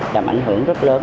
làm ảnh hưởng rất lớn